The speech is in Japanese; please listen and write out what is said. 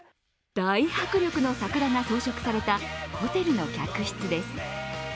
大迫力の桜が装飾されたホテルの客室です。